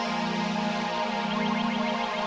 aduh kesian ya